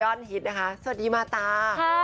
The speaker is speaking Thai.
ฮิตนะคะสวัสดีมาตา